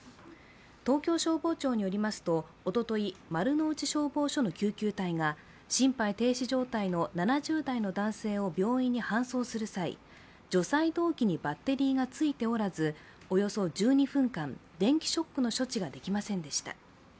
東京消防庁によりますとおととい、丸の内消防署の救急隊が心肺停止状態の７０代の男性を病院に搬送する際、除細動器にバッテリーがついておらずおよそ１２分間、電気ショックの処置ができませんでした。